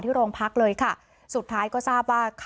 ไม่ต้องรอเอาเบียร์เอารถกลับไปเลย